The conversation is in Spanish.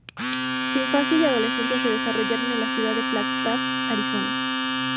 Su infancia y adolescencia se desarrollaron en la ciudad de Flagstaff, Arizona.